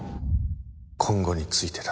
今後についてだ。